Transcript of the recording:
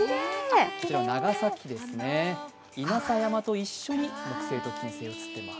こちら長崎ですね、稲佐山と一緒に木星と金星が写っています。